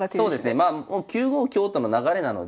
まあ９五香との流れなので。